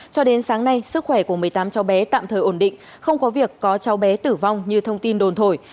cho đến sáng nay sức khỏe của một mươi tám cháu bé tạm thời ổn định không có việc có cháu bé tử vong như thông tin đồn thổi